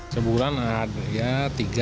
sebulan ada ya tiga